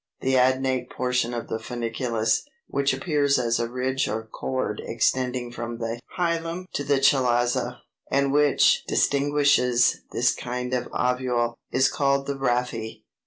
The adnate portion of the funiculus, which appears as a ridge or cord extending from the hilum to the chalaza, and which distinguishes this kind of ovule, is called the RHAPHE.